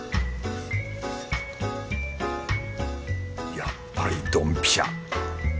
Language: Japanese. やっぱりドンピシャ。